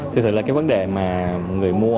thực sự là cái vấn đề mà người mua